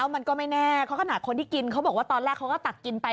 มันก็ไม่แน่เพราะขนาดคนที่กินเขาบอกว่าตอนแรกเขาก็ตักกินไป